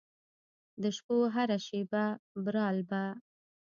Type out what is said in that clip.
د شپو هره شیبه برالبه